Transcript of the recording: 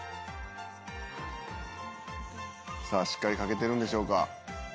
さあ、しっかり書けてるんでしょうか。